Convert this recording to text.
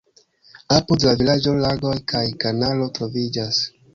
Apud la vilaĝo lagoj kaj kanalo troviĝas.